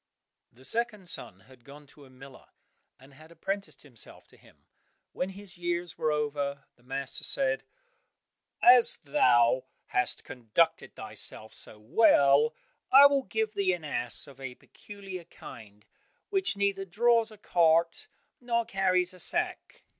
The second son had gone to a miller and had apprenticed himself to him. When his years were over, the master said, "As thou hast conducted thyself so well, I give thee an ass of a peculiar kind, which neither draws a cart nor carries a sack."